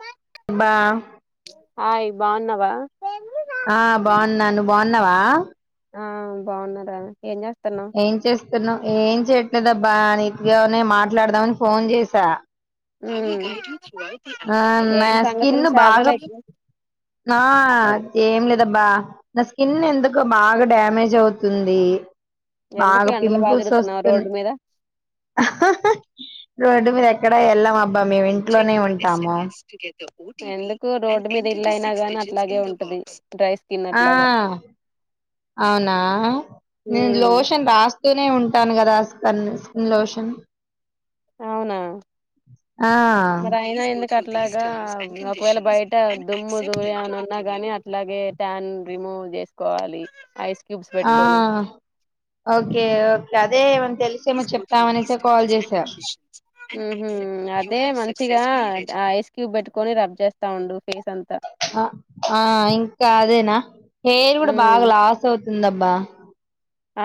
మ బా హాయ్ బాగున్నావా ఆ బాగున్నాను బాగున్నావా ఆ బాగున్నారా ఏం చేస్తున్నావ్ ఏం చేస్తున్నావుఏం చె లేదబ్బా నీటిగానే మాట్లాడదామని ఫోన్ చేసా మ్ ఆ నా స్కిన్ చాలా బాగా రోజులు అయితుంది ఆ ఏం లేదబ్బా నా స్కిన్ ఎందుకో బాగా డ్యామేజ్ అవుతుంది ఎందుకు బాగా ఎండలు బాగా పింపుస్ తిరుగుతున్నావు వస్తున్నా రోడ్డు మీద ఆ హ.. రోడ్డు మీద ఎక్కడ వెళ్ళం అబ్ బ మేం ఇంట్లోనే ఉన్ ఎస్ కే టు ఎందుకు రోడ్డు మీద ఇల్ అయినా గాని అట్లాగే ఉంటది డ్రై స్కిన్ ఆ అట్లాగా అవునా నేన్ ఉమ్ లోషన్ రాస్తూ నే ఉంటాను కదా స్కన్ స్కిన్ లోషన్ అవునా ఆ మరి అయినా ఎందుకట్ అట్లాగా ఒకవేళ బయట దుమ్ము దూలి ఏమైనా ఉన్నా గాని అట్లాగే ట్యాన్ రిమూవ్ చేసుకోవాలి ఐస్ క్యూబ్స్ ఆ పెట్టుకొని ఓకే ఓ కదే ఉన్ ఉహు అదే మన్ చిగా ఐస్ క్యూబ్ పెట్టుకొని రబ్ చేస్తా ఉండు ఫేస్ అంన్ ఆ ఆ ఇంకా అదేనా హెయిర్ కూడ ఉమ్ బాగా లాస్ అవుత్ తుందిబ్బా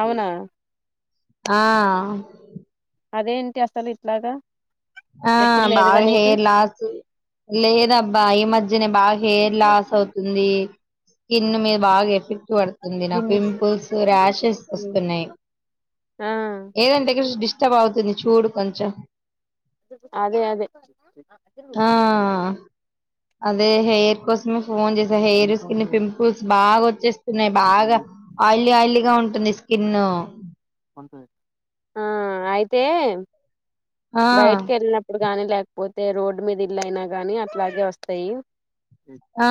అవునా ఆ అదేంటి అసలు ఇట్లాగా ఆ ఎప్పుడు లేదుగా బాగా నీకు హెయిర్ లాస్ లేదబ్బా ఈ మధ్యనే బాగా హెయిర్ లాస్ అవుతుంది స్కిన్ మీ బాగ్ ఎఫీ క్ట్ పడుతుంది నాకు దిన్ను పింపుల్స్ ర్యాషెస్ వస్తున్నాయి ఆ ఏదంటే డిస్టర్బ్ అవుతుంది చూడు కొంచెం అదే అదే ఆ అదే హెయిర్ కోసమే ఫోన్ చేసా హెయిర్ స్కిన్ పింపుల్స్ బాగా త్ చె స్ స్తున్నాయి బాగా ఆయిలీ ఆయిలీగా ఉంటుంది స్ స్కిన్ను ఆ అయితే ఆ బయటికి వెళ్ళినప్పుడు గాని లేకపోతే రోడ్డు మీద ఇల్లు అయినా గాని అట్లాగే వస్తయి ఆ.. హా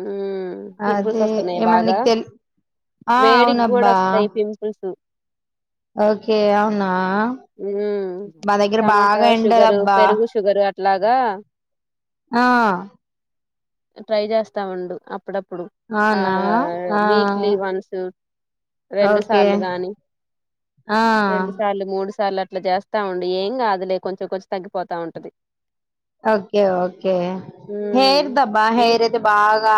ఉమ్ పింపుల్స్ అదే వస్తున్నాయి ఏమన్నా బాగా నీకు తెలి ఆ అవునబ్బా హు ఓకే అవునా ఉమ్ మా దగ్గర బాగా ఎండాలు అబ్బా ఎట్లాగా ఆ ట్రై చేస్తా ఉండు అప్పుడప్పుడు పుడు ఆ అవునా ఆ వీక్లీ వన్స్ రెండు రెండు ఓకే సార్లు కాని ఆ రెండు సార్లు మూడు మూడు సార్లు అట్లా చేస్తా ఉండి ఏం కాదులే కొంచెం కొంచెం తగ్గిపోతా ఉంటది ఓకే ఓకే ఉమ్ హెయిర్ దబ్బా ఎందు హెయిర్ అయితే బాగా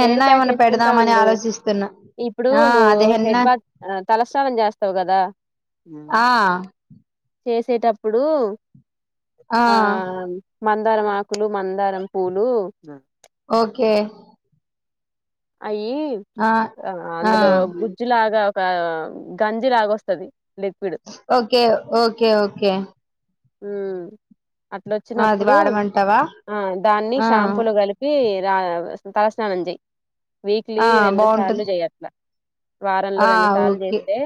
హెయిర్ ప్యాక్ ఏమన్నా వేసుకుంటా పెడదామని ఉండు ఆలోచిస్తున్నా ఇప్పుడు ఆ నువ్వు అదే హెడ్ హెన్నా బాత్ తల సానం చేస్తావు కదా ఆ చేసేటప్పుడు ఆ మ మందారం ఆకులు మందారం పూలు ఓకే అయి ఆ అందులో గుజ్జులాగా ఆ గంజి లాగా వస్తది ఓకే ఓకే ఓకే ఉ ఆ, అది అట్లొచ్చినప్పుడు వాడమంటావా ఆ దాన్ని ఆ షాంపూలు కలిపి తలస్థానం చెయ్యి వీక్లీ ఆ రెండు సార్లు బాగుంటది చెయ్యట్లా వారంలో ఆ రెండు సార్లు ఓకే చేస్తే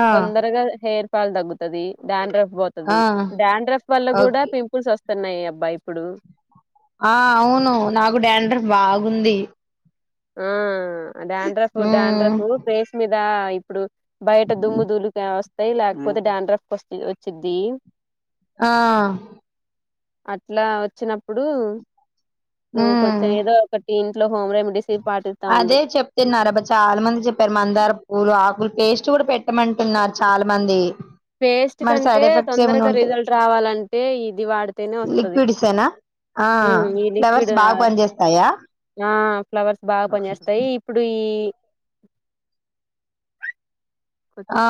ఆ తొందరగా హెయిర్ హేర్ ఫాల్ తగ్గుతుది గ్రాండ్రఫ్ ఆ ఉంటది డాండ్రఫ్ వల్ల కూడా ఓకే పిపుల్స్ వస్తు వస్తున్నాయి అబ్బా ఇప్పుడు ఆ అవును నాకు డాండ్రఫ్ బాగా ఉంది ఆ డాండ్రఫు ఉమ్ డాండ్రఫ్ ఫేస్ మీద ఇప్పుడు బయట దుమ్ము దులికి వస్త వస్తాయి లేకపోతే డాండ్రఫ్ వచ్చ వచ్చిద్ది ఆ అట్లా వచ్చినప్పుడు నువ్వు ఉమ్ కొంచెం ఏదో ఒకటి ఇంట్లో హోమ్ రెమెడీస్ పాటిస్తా అదే ఉండు చెప్తున్నారబ్బా చాలా మంది చెప్పారు, మందార పూలు ఆకులు టేస్ట్ కూడా పెట్టమంటున్నారు చాలా మంది పేస్ట్ మరి కంటే సైడ్ ఎఫెక్ట్స్ ఏమైనా తొందరగా ఉంట రిజల్ట్ రావాలంటే ఇది వాడితేనే వస్తది లిక్విడ్సేనా ఆ ఫ్లవర్స్ బాగా పనిచేస్తాయా ఫ్లవర్స్ బాగా పని చేస్తాయి ఇప్పుడు ఇ ఆ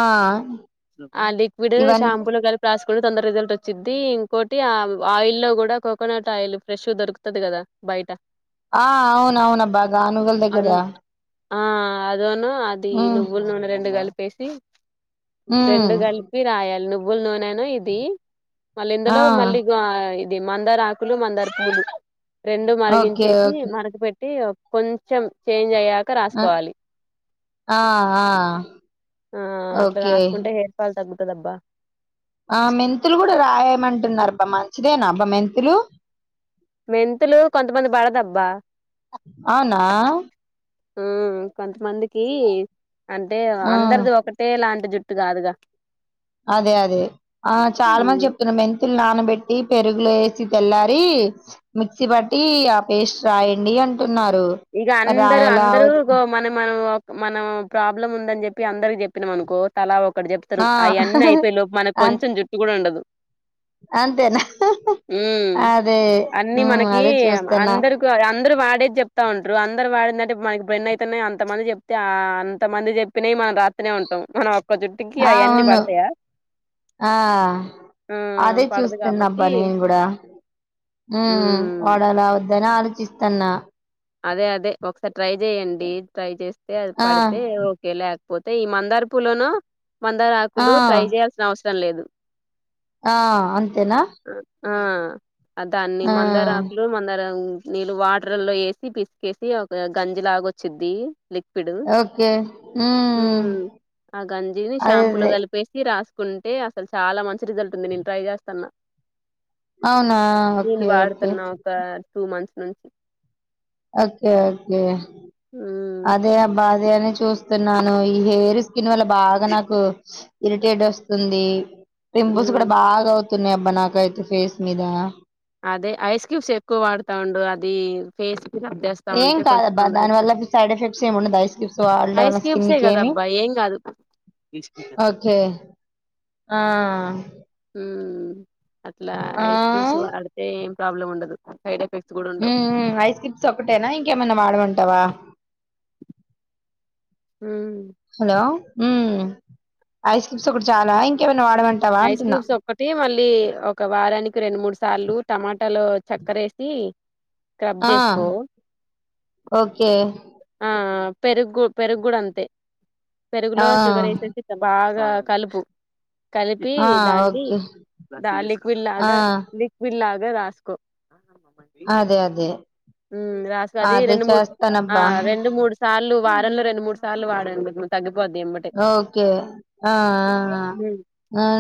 ఆ లిక్విడ్ ఇవన్ షాంపులు కలి రాసుకు తొందర రిజల్ట్ వచ్చిది, ఇంకోటి ఆ ఆయిల్ లో కూడా కోకోనట్ ఆయిల్ ఫ్రెష్ దొరుకుతది కదా బయట ఆ అవునవునబ్బా గానుగల అ దగ్గర ఆ అదోను అది ఉమ్ నువ్వుల నూనె రెండు కలిపేసి ఉమ్ రెండు గలిపి రయా నువ్వులు నునే ఇది మళ్ళ ఆ ఇందులో మళ్ళీ అ మందార ఆకులు మందార పూవులు రెండు ఓకే మరిగించేసి ఓకే మరక పెట్ టి కొంచెం చేంజ్ అయ్య అ ఆ ఓకే కొంటే హేర్ ఫాల్ తగుత దబ్బా ఆ మెంతులు కూడా రాయమంటున్నారబ్బా మంచిదేనా అబ్బా మెంతులు మెంతులు కొంతమంది పడదబ్బా అవునా మ్ కొంతమందికి అంటే ఆ అందరిది ఒకటే లాంటి జుట్ [unintelligible] కాదుగా అదే అదే ఆ చాలా మంది ఉమ్ చెప్తున్నా మెంతుల్ నాన పెట్టి పెరుగులు వేసి తెల్లారి మిక్సీ పట్టి ఆ పేస్ట్ రాయండి అంటు ఈగ అందరు అందరు గ మన మ మనం ప్రాబ్లం ఉందని చెప్పి అందరికి చెప్పినాం అనుకో తలా ఒక అక్కడ ఆ చెప్తారు అవన్నీ అయిపోయ లోపు మనకు అం కొంచెం జుట్టు కూడా ఉండదు అంతేనా ఉమ్ అదే అన్ని మనకి అదే చూస్తున్న వత ఉంటారు అందరు వాడిందంటే మనకి [unintelligible] అయితున్నాయే, అంత మంది చెప్తే అంతమంది చెప్పినవి మనం రాతినే ఉంటాం మనం జుట్టుకి అ అవన్నీ అవును పడతాయా ఆ ఆ అదే పడదు చూస్తున్నా అబ్బా కాబట్టి నేను కూడా ఉ ఉమ్ వాడాలా వద్దా అని ఆలోచి త్తన్నా అదే అదే ఒకసారి ట్రై చేయండి ట్రై చేస్తే అది ఆ పడితే ఓకే ల్యాక్ పోతే ఈ మందార్ పూలోను ఆ మందారాకులు ట్రై చేయాల్సిన అవస్ [unintelligible] లేదు ఆ అంతేనా ఆ అ దాన్ని ఆ మందారకులు మందార వూ నీళ్ళు వాటర్ లో ఏసి తీసి పిసికేసి ఒక గంజి లాగ వచ్చిద్ది లిక్విడ్ ఓకే మ్మ్ ఆ గంజిని అదే షాంపూలో అదే కలిపేసి రాసు కుంటే అస్సలు చాలా మంచి రిజల్ట్ ఉంది నేను ట్రై చేస్తన్నా అవునా నేను ఓకే ఓకే వాడతన్నా ఒక టూ మంత్స్ నుంచి ఒకే ఒకే హ్మ్ అదే అబ్బా అదే అని చూస్తున్నాను ఈ హెయిర్ స్కిన్ వల్ల బాగా నాకు ఇరిటేట్ వస్తుంది పింపుల్స్ హ్మ్ కూడా బాగా వొ త్తున్నాయ్ అబ్బా నాకయితే ఫేస్ మీద అదే ఐస్ క్యూబ్స్ ఎక్కువ వాడతా ఉండు అది ఫేసు ఏం కాదబ్బా దాని వల్ల సైడ్ ఎఫెక్ట్స్ ఏముండదు ఐస్ క్యూబ్స్ వాడడం ఐస్ వల్ల స్కిన్ క్యూబ్సే కి ఏమి కదబ్బా ఏం కాదు. ఓకే ఆ ఊ అట్లా ఆ ఐస్ క్యూబ్స్ వాడితే ఏం ప్రాబ్లం ఉండదు సైడ్ ఎఫె ఊ ఊ ఐస్ క్యూబ్స్ ఒక్కటేనా ఇంకేమైనా వాడమంటావా ఉ హలో ఐస్ క్యూబ్స్ ఒకటి చాలా ఇంకె ఐస్ క్యూబ్స్ ఒక్కటి మళ్ళీ ఒక వారానికి రెండు మూడు సార్లు టమాటాలొ చక్కర ఏసి స్క్రబ్ ఆ చేసుకో ఓకే ఆ పెరుగ్ పెరుగ్గుడ అంతే పెరుగులో ఆ షుగర్ ఏసేసీ బాగా కలుపు కలిపి ఆ దాన్ని ఓకే ద లిక్విడ్ ఆ లాగా లిక్విడ్ లాగా రాసుకో అదే అదే ఉమ్ రాసుకో అది అదే రెండు మూడు ఆ చేస్తానబ్బా రెండు మూడు సార్లు వారంలో రెండు మూడు సార్లు వాడ తగ్గ ఓకే ఆ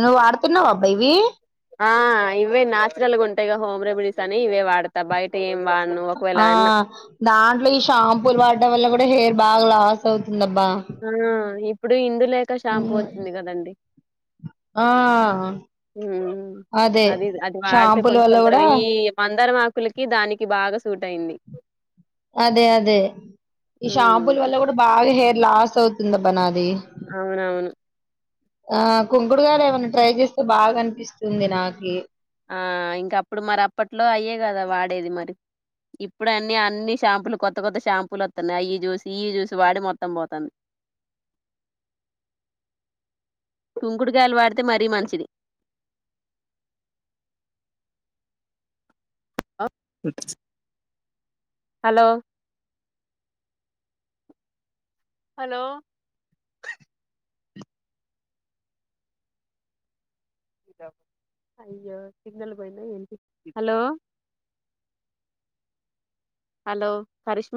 నువ్వు ఆడుతున్నావ అబ్బా ఇవి ఆ ఇవే నన్చురల్ గా ఉంటాయిగా హోమ్ రెమెడీస్ అని ఇవే వాడతా బయట ఏం వాడను ఒకవేళ ఆ అన్న దాంట్లో ఈ షాంపూలు వాడ్డం వల్ల కూడా హేర్ బాగలాస్ హ్ ఇప్ ఇప్పుడు ఇందు లేక షాంపూ ఉమ్, వచ్చింది. కదండి ఆ ఉ అదే అది అది వాడితే షాంపూల కొంచెం వల్ల కూడా తొందరగా ఈ మందారమాకులకి దానికి బాగా సూట్ అయింది. అదే అదే ఈ షాంపులు ఉమ్ వల్ల కూడా బాగా హెయిర్ లాస్ అవుతుంది ఆబ్బా నాది అవునవును. ఆ కుంకుడు గాయలు ఏమన్నా ట్రై చేస్తే బాగా అనిపిస్తుంది. నాకి ఆ ఇంకా అప్పుడు మరి అప్పట్లో అయ్యే కదా వాడేది మరి ఇప్పుడు అన్ని అన్ని షాంపులు కొత్త కొత్త షాంపులు వత్తున్నాయి. అయి జూసి అయి జూసీ వాడి మొత్తం పోతంది. కుంకుడుకాయలు వాడితే మరీ మంచిది. ఆ హలో హలో అయ్యో సిగ్నల్ పోయిందా ఏంటి హలో హలో కరిష్మ